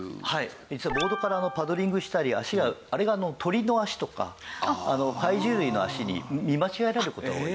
実はボードからパドリングしたり足があれが鳥の足とか海獣類の足に見間違えられる事が多い。